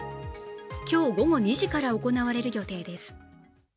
今日午後２時から行われる予定です。